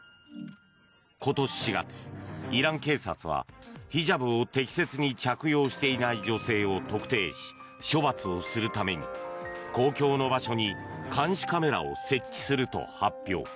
今年４月、イラン警察はヒジャブを適切に着用していない女性を特定し処罰をするために公共の場所に監視カメラを設置すると発表。